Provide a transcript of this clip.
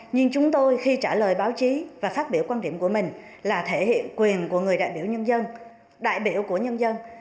nhưng chúng tôi khi trả lời báo chí và phát biểu quan điểm của mình là thể hiện quyền của người đại biểu nhân dân đại biểu của nhân dân